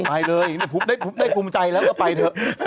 ไปเลยได้ภูมิใจแล้วก็ไปเถอะ